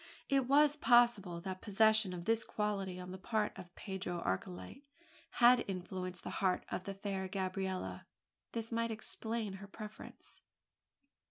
It was possible that the possession of this quality on the part of Pedro Archilete had influenced the heart of the fair Gabriella. This might explain her preference.